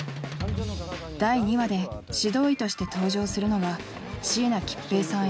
第２話で指導医として登場するのが椎名桔平さん